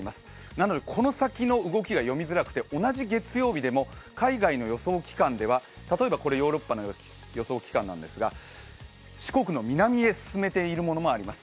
なのでこの先の動きが読みづらくて、同じ月曜日でも海外の予想機関では例えばこれヨーロッパの予想機関ですが四国の南へ進めているものもあります。